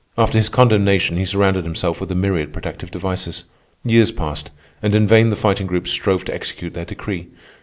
After his condemnation he surrounded himself with a myriad protective devices. Years passed, and in vain the Fighting Groups strove to execute their decree.